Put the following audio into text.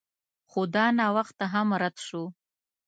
خو دا نوښت هم رد شو.